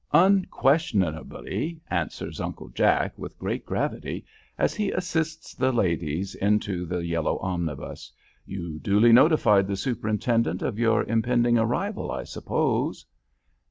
"Unquestionably," answers Uncle Jack, with great gravity, as he assists the ladies into the yellow omnibus. "You duly notified the superintendent of your impending arrival, I suppose?"